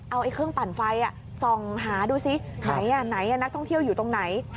เอาเครื่องปั่นไฟส่องหาดูสิไหนไหนนักท่องเที่ยวอยู่ตรงไหน